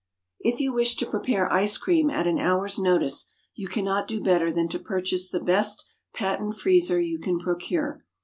If you wish to prepare ice cream at an hour's notice, you cannot do better than to purchase the best patent freezer you can procure.